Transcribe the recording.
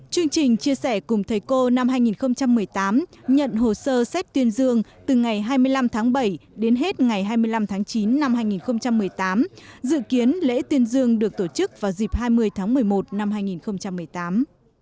chương trình chia sẻ cùng thầy cô năm hai nghìn một mươi tám nhận hồ sơ xét tuyên dương từ ngày hai mươi năm tháng bảy đến hết ngày hai mươi năm tháng chín năm hai nghìn một mươi tám dự kiến lễ tuyên dương được tổ chức vào dịp hai mươi tháng một mươi một năm hai nghìn một mươi tám